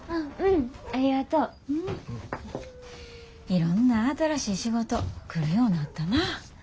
いろんな新しい仕事来るようなったなぁ。